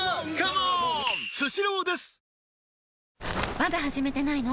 まだ始めてないの？